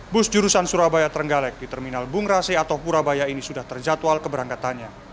bus jurusan surabaya terenggalek di terminal bungrasi atau purabaya ini sudah terjatual keberangkatannya